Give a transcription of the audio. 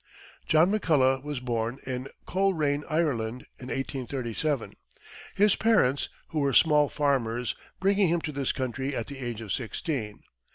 John McCullough was born in Coleraine, Ireland, in 1837, his parents, who were small farmers, bringing him to this country at the age of sixteen.